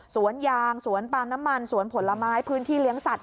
สวนยางสวนปลามน้ำมันสวนผลไม้